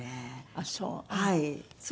ああそう。